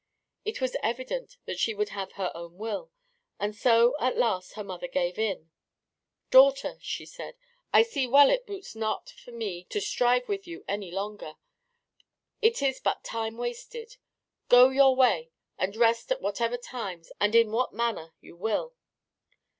It was evident that she would have her own will, and so at last her mother gave in. "Daughter," she said, "I see well it boots not for me to strive with you any longer. It is but time wasted. Go your way and rest at whatever times and in what manner you will."